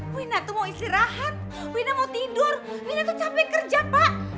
wina aku mau istirahat wina mau tidur wina aku capek kerja pak